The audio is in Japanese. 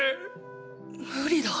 無理だ。